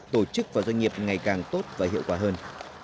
tổ chức và doanh nghiệp ngày càng tốt và hiệu quả hơn